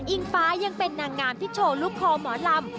ฟ้ายังเป็นนางงามที่โชว์ลูกคอหมอลำ